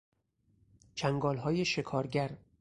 چنگالهای شکارگر